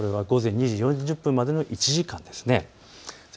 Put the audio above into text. これは午前２時４０分までの１時間です。